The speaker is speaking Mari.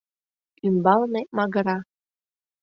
ӱмбалне магыра.